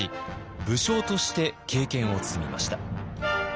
武将として経験を積みました。